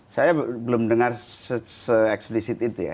saya belum dengar se eksplisit itu ya